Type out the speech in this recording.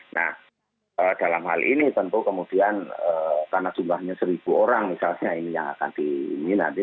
nah dalam hal ini tentu kemudian karena jumlahnya seribu orang misalnya ini yang akan diminati